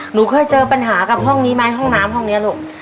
หนูเคยเจอปัญหากับห้องนี้ไหมห้องน้ำห้องนี้ลูก